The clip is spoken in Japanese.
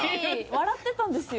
笑ってたんですよ。